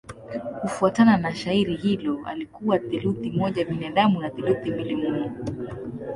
Kufuatana na shairi hilo alikuwa theluthi moja binadamu na theluthi mbili mungu.